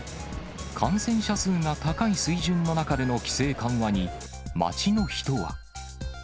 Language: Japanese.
感染者数が高い水準の中での規制緩和に、街の人は。